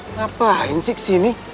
ngapain sih kesini